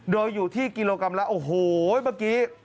โดยอยู่ที่กิโลกรัมละโอ้โหเมื่อกี้